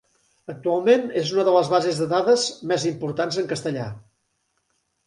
Actualment és una de les bases de dades més importants en castellà.